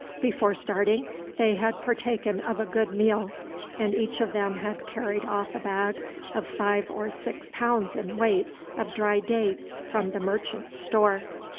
Before starting they had partaken of a good meal, and each of them had carried off a bag of five or six pounds in weight of dry dates from the merchant's store.